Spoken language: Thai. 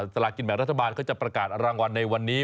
ลากินแบ่งรัฐบาลเขาจะประกาศรางวัลในวันนี้